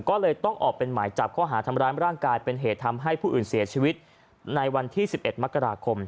ก็เลยต้องออกเป็นหมายจับข้อหาทำร้ายร่างกายเป็นเหตุทำให้ผู้อื่นเสียชีวิตในวันที่๑๑มกราคม